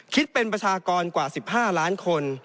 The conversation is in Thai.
คิดเป็นประชากรกว่า๑๕ล้านคน